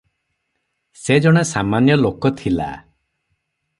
ସେ ଜଣେ ସାମାନ୍ୟ ଲୋକ ଥିଲା ।